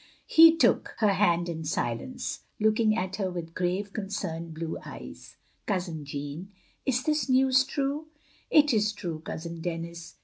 He took her hand in silence; looking at her with grave, concerned blue eyes. "Cousin Jeaime, is this news true?" "It is true. Cousin Denis.